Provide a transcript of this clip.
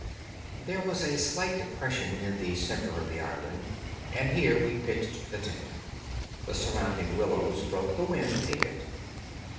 There was a slight depression in the center of the island, and here we pitched the tent. The surrounding willows broke the wind a bit.